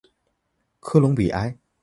科隆比埃。